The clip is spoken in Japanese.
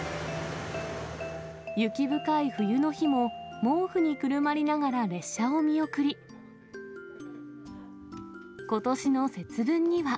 雪深い冬の日も、毛布にくるまりながら列車を見送り、ことしの節分には。